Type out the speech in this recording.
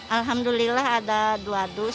alhamdulillah ada dua dus